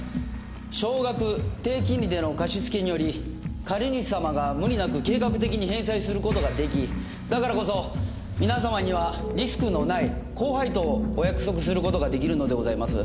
少額低金利での貸し付けにより借主様が無理なく計画的に返済する事が出来だからこそ皆様にはリスクのない高配当をお約束する事が出来るのでございます。